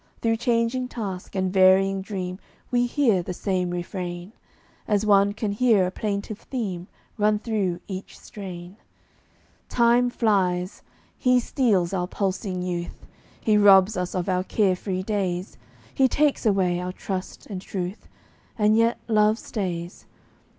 Through changing task and varying dream We hear the same refrain, As one can hear a plaintive theme Run through each strain. Time flies. He steals our pulsing youth; He robs us of our care free days; He takes away our trust and truth: And yet love stays.